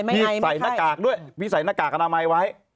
พี่ใส่หน้ากากด้วยพี่ใส่หน้ากากอนามัยไว้